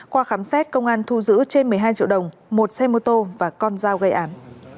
qua khám xét công an thu giữ trên một mươi hai triệu đồng một xe mô tô và con dao gây án